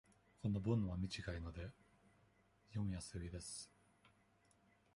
この文は短いので、読みやすいです。